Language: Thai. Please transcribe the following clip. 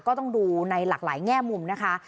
ก็ต้องดูในหลากหลายแง่มุมนะคะ